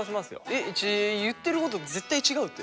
えっ言ってること絶対違うって。